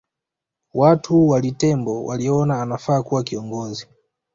Watu wa Litembo waliona anafaa kuwa kiongozi